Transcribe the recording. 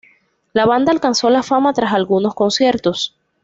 La banda alcanzó la fama tras algunos conciertos.